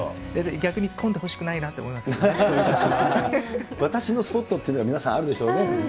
逆に混んでほしくないなって私のスポットっていうのが皆さんあるでしょうね。